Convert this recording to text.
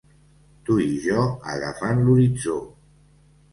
Tu i jo agafant l’horitzó.